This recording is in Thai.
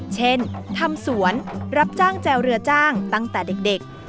เช่นทำสวนรับจ้างแจวเรือจ้างตั้งแต่เด็ก